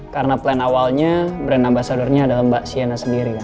karena plan awalnya brand ambasadornya adalah mbak si ana sendiri kan